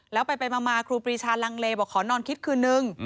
แล้วไปมาครูปรีชาลังเลบอกขอนอนคิดคืนนึง